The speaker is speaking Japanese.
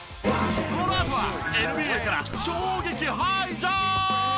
このあとはＮＢＡから衝撃ハイジャンプ！